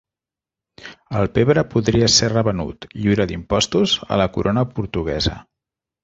El pebre podria ser revenut, lliure d'impostos, a la Corona portuguesa.